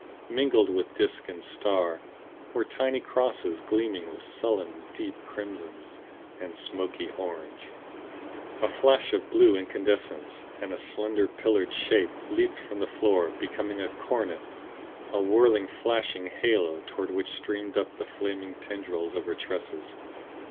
Mingled with disk and star were tiny crosses gleaming with sullen, deep crimsons and smoky orange. A flash of blue incandescence and a slender pillared shape leaped from the floor; became a coronet, a whirling, flashing halo toward which streamed up the flaming tendrilings of her tresses.